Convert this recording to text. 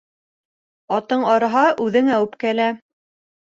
Атың арыһа, үҙеңә үпкәлә.